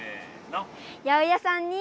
八百屋さんに。